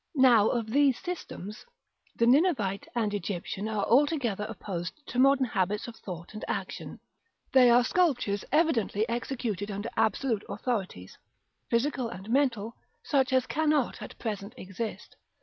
§ VIII. Now of these systems, the Ninevite and Egyptian are altogether opposed to modern habits of thought and action; they are sculptures evidently executed under absolute authorities, physical and mental, such as cannot at present exist.